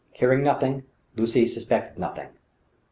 Hearing nothing, Lucy suspected nothing.